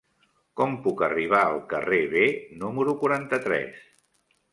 Com puc arribar al carrer B número quaranta-tres?